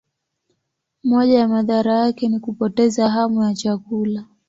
Moja ya madhara yake ni kupoteza hamu ya chakula.